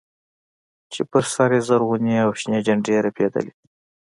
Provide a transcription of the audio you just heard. چې پر سر يې زرغونې او شنې جنډې رپېدلې.